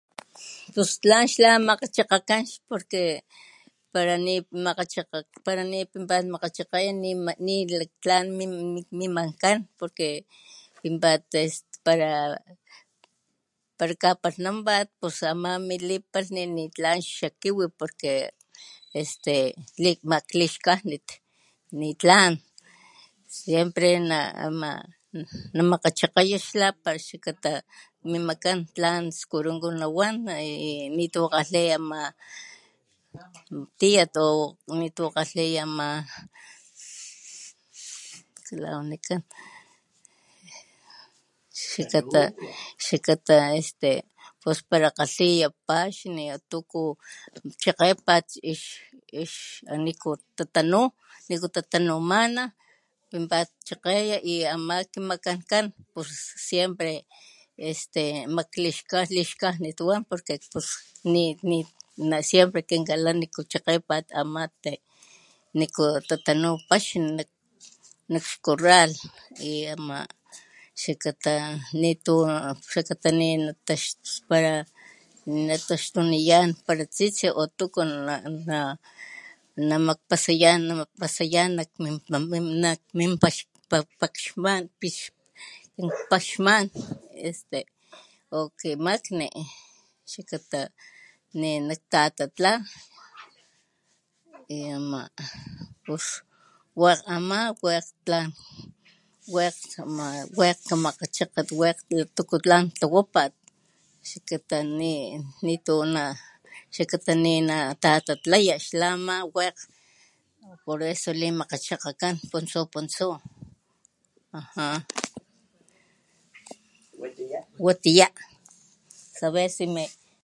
Pustlan makgachakan porque para nipinpat makgachakgaya nilaktlan mimakan porque pinpat este para kapalhnanpat nitlan xakiwi porque este lixkajnit nitlan siempre namakgachakaya s xla mimakan tlan skurunku nitu nakgalhiya pi ama tiyat nitu nakgalhiya nikula wanikan xlakata pus para kgalhiya paxni chakgepat para niku tatanumana nak ixcorral xakaa nitataxtu para nataxtuniyan tsitai namakpasayan este o kimakni xakata ninaktatatla y ana ninatatatlaya wakg kamakgachekga la tuku tlan tlawapat xakata nina tatatlaya xla ama wekg por eso limakgachakgan o pontsu watiya